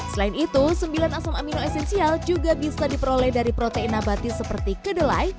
selain itu sembilan asam amino esensial juga bisa diperoleh dari protein abadi seperti kedelai